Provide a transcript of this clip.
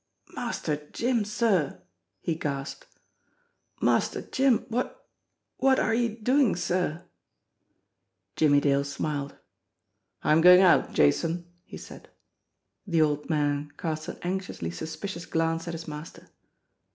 "Master Jim, sir !" he gasped. "Master Jim, what what are you doing, sir ?" Jimmie Dale smiled. "I'm going out, Jason," he said. The old man cast an anxiously suspicious glance at his master.